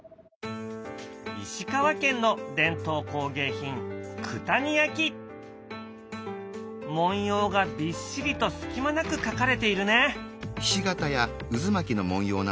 石川県の伝統工芸品文様がびっしりと隙間なく描かれているね。